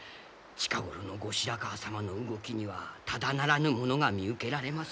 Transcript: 近頃の後白河様の動きにはただならぬものが見受けられます。